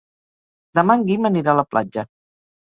Demà en Guim anirà a la platja.